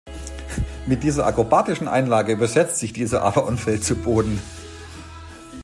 Mit dieser akrobatischen Einlage überschätzt sich dieser aber und fällt zu Boden.